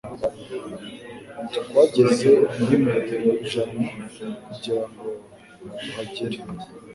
Twagenze indi metero ijana kujyirango tuhajyere.